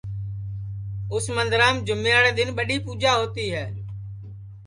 اُس مندرام جومیاڑے دؔن ٻڈؔی پُوجا ہوتی ہے